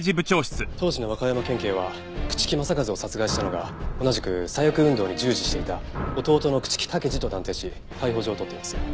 当時の和歌山県警は朽木政一を殺害したのが同じく左翼運動に従事していた弟の朽木武二と断定し逮捕状を取っています。